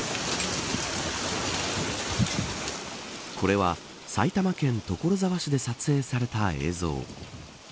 これは埼玉県所沢市で撮影された映像。